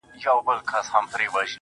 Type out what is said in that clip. سپوږمۍ خو مياشت كي څو ورځي وي~